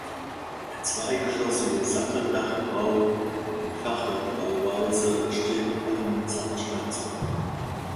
Der zweigeschossige Satteldachbau in Fachwerkbauweise steht auf einem Sandsteinsockel.